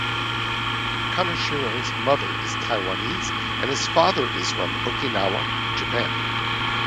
Kaneshiro's mother is Taiwanese and his father is from Okinawa, Japan.